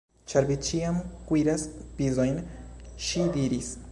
Ĉar vi ĉiam kuiras pizojn, ŝi diris.